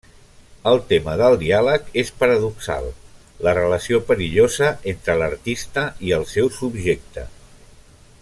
El tema del diàleg és paradoxal, la relació perillosa entre l'artista i el seu subjecte.